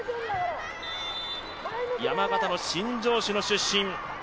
山形の新庄市の出身。